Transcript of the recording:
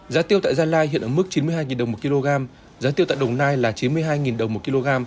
giá tiêu tại gia lai hiện ở mức chín mươi hai đồng một kg giá tiêu tại đồng nai là chín mươi hai đồng một kg